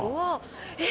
えっ⁉